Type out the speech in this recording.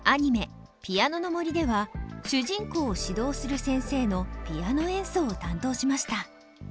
「ピアノの森」では主人公を指導する先生のピアノ演奏を担当しました。